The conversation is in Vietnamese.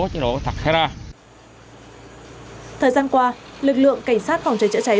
thời gian qua lực lượng cảnh sát phòng trái chữa trái